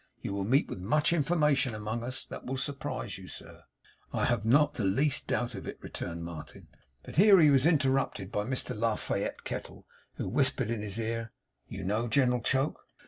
You will meet with much information among us that will surprise you, sir.' 'I have not the least doubt of it,' returned Martin. But here he was interrupted by Mr La Fayette Kettle, who whispered in his ear: 'You know General Choke?